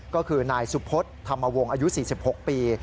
ก็คือนายสุพธธรรมวงศ์อายุ๔๖ปี